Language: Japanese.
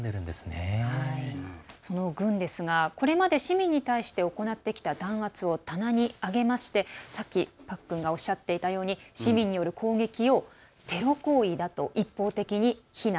その軍ですがこれまで市民に対して行ってきた弾圧を棚に上げましてさっき、パックンがおっしゃっていたように市民による攻撃をテロ行為だと一方的に非難。